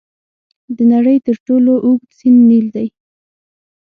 د نړۍ تر ټولو اوږد سیند نیل دی.